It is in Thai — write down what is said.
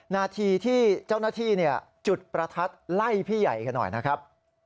นาทีที่เจ้าหน้าที่จุดประทัดไล่พี่ใหญ่กันหน่อยนะครับ